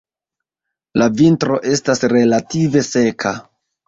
La vintro estas relative seka.